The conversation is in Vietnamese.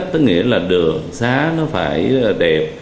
tức nghĩa là đường xá nó phải đẹp